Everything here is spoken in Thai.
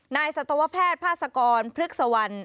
สัตวแพทย์ภาษกรพฤกษวรรณ